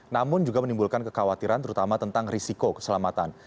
namun juga menimbulkan kekhawatiran terutama tentang risiko keselamatan